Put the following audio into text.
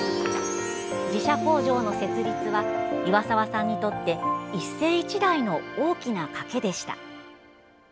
自社工場の設立は岩沢さんにとって一世一代の大きなかけでした。